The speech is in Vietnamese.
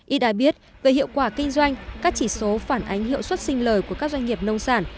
y đã biết về hiệu quả kinh doanh các chỉ số phản ánh hiệu suất sinh lời của các doanh nghiệp nông sản